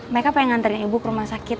mereka pengen nganterin ibu ke rumah sakit